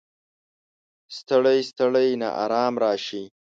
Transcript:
ستړی، ستړی ناارام راشي